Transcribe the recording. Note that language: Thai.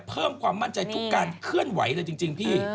เพิ่มความมั่นใจทุกการเคลื่อนไหวเลยจริงพี่